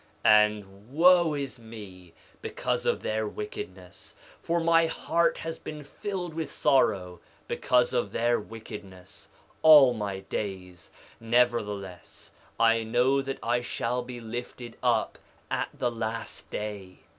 2:19 And wo is me because of their wickedness; for my heart has been filled with sorrow because of their wickedness, all my days; nevertheless, I know that I shall be lifted up at the last day.